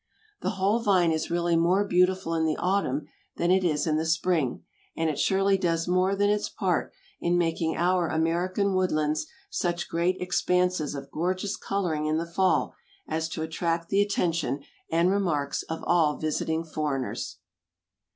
The whole vine is really more beautiful in the autumn than it is in the spring, and it surely does more than its part in making our American woodlands such great expanses of gorgeous coloring in the fall as to attract the attention and remarks of all visiting foreigners.